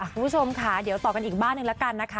คุณผู้ชมค่ะเดี๋ยวต่อกันอีกบ้านหนึ่งแล้วกันนะคะ